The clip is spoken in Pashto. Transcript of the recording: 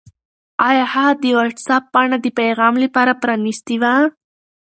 آیا هغه د وټس-اپ پاڼه د پیغام لپاره پرانستې وه؟